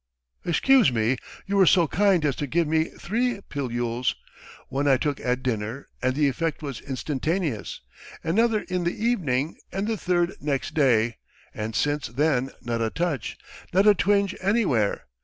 "Excuse me, you were so kind as to give me three pilules. One I took at dinner and the effect was instantaneous! Another in the evening, and the third next day; and since then not a touch! Not a twinge anywhere!